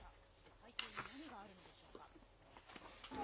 背景に何があるのでしょうか。